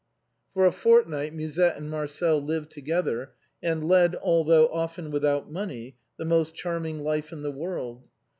For a fortnight Musette and Marcel lived together, and led, although often without money, the most charming life in the world.